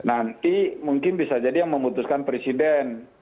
nanti mungkin bisa jadi yang memutuskan presiden